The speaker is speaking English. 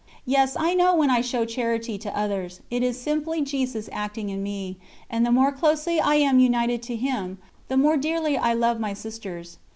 Yes, I know when I show charity to others, it is simply Jesus acting in me, and the more closely I am united to Him, the more dearly I love my Sisters.